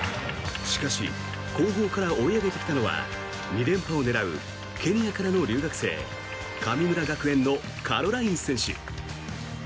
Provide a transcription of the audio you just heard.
しかし、後方から追い上げてきたのは２連覇を狙うケニアからの留学生神村学園のカロライン選手。